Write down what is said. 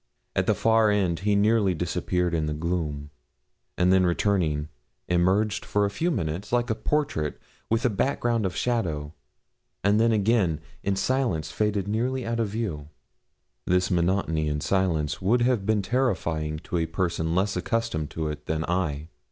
At the far end he nearly disappeared in the gloom, and then returning emerged for a few minutes, like a portrait with a background of shadow, and then again in silence faded nearly out of view. This monotony and silence would have been terrifying to a person less accustomed to it than I.